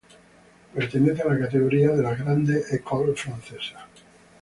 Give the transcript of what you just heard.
Pertenece a la categoría de las Grandes Écoles francesas.